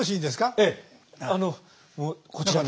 ええあのこちらに。